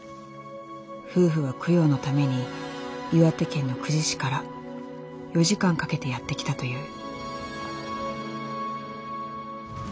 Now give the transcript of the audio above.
夫婦は供養のために岩手県の久慈市から４時間かけてやって来たという。